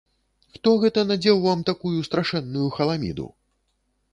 Хто гэта надзеў вам такую страшэнную халаміду?